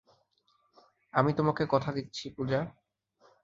আমি তোমাকে কথা দিচ্ছি, পূজা।